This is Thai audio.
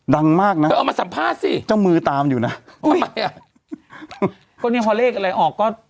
ดังมากน่ะเธอเอามาสัมภาษณ์สิเจ้ามือตามอยู่น่ะอุ้ยอันนี้พอเลขอะไรออกก็